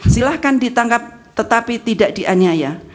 silahkan ditangkap tetapi tidak dianiaya